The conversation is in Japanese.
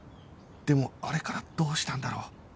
でもあれからどうしたんだろう？